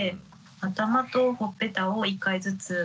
頭とほっぺたを１回ずつ。